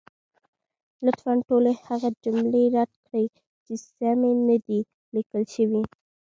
لطفا ټولې هغه جملې رد کړئ، چې سمې نه دي لیکل شوې.